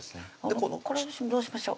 これどうしましょう？